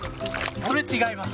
それ違います。